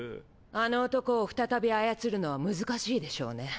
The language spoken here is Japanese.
あの男を再び操るのは難しいでしょうね。